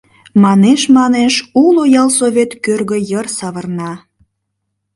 Манеш-манеш уло ялсовет кӧргӧ йыр савырна.